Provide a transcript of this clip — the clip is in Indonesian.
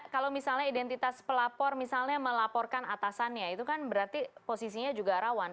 kalau misalnya identitas pelapor misalnya melaporkan atasannya itu kan berarti posisinya juga rawan